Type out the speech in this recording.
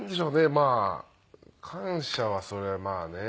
まあ感謝はそりゃまあね。